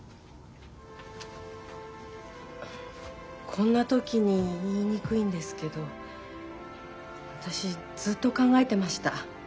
こんな時に言いにくいんですけど私ずっと考えてました。